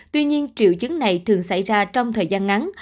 tuy nhiên triệu chứng này thường xảy ra trong thời gian ngắn